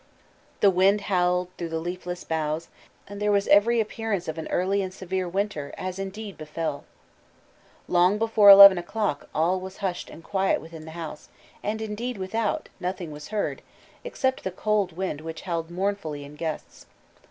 "The wind howled through the leafless boughs, and there was every appearance of an early and severe winter, as indeed befell. Long before eleven o'clock all was hushed and quiet within the house, and indeed without (nothing was heard), except the cold wind which howled mournfully in gusts.